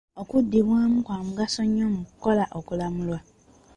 Okuddibwamu kwa mugaso nnyo mu kukola okulamula.